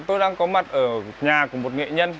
tôi đang có mặt ở nhà của một nghệ nhân